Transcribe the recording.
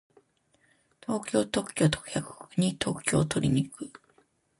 東京特許許可局に特許をとりに行く。